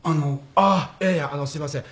あっいやいやすいません。